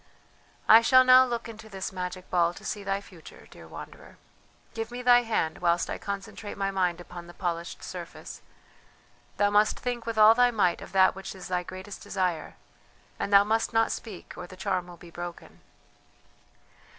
"I shall now look into this magic ball to see thy future, dear wanderer. Give me thy hand whilst I concentrate my mind upon the polished surface; thou must think with all thy might of that which is thy greatest desire, and thou must not speak or the charm will be broken."